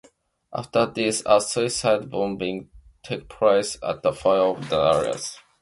After this, a suicide bombing took place at the foyer of the arena.